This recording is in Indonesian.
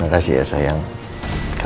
terima kasih ya sayang pride ini